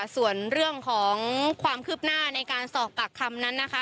ส่วนเรื่องของความคืบหน้าในการสอบปากคำนั้นนะคะ